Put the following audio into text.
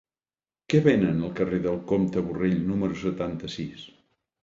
Què venen al carrer del Comte Borrell número setanta-sis?